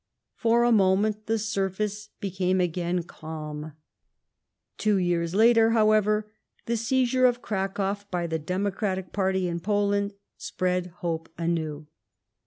For a moment the surface became again calm. Two years later, however, the seizure of Cracow by the democratic party in Poland, spread hope anew.